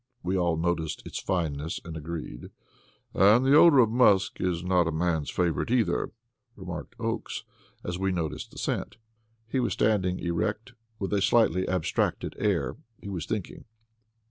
We all noticed its fineness and agreed. "And the odor of musk is not a man's favorite, either," remarked Oakes, as we noticed the scent. He was standing erect, with a slightly abstracted air. He was thinking.